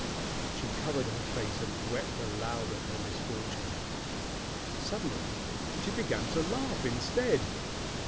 She covered her face and wept aloud at her misfortune. Suddenly she began to laugh instead.